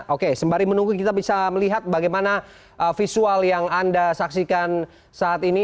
oke sembari menunggu kita bisa melihat bagaimana visual yang anda saksikan saat ini